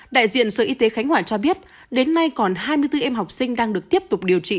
đại diện sở y tế khánh hòa cho biết đến nay còn hai mươi bốn em học sinh đang được tiếp tục điều trị